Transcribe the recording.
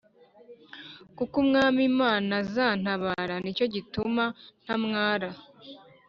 Kuko umwam’ imana aza ntabara nicyo gituma nta mwara